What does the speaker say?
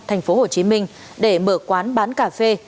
tp hcm để mở quán bán cà phê